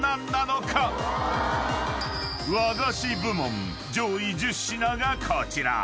［和菓子部門上位１０品がこちら］